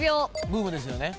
ブームですよね？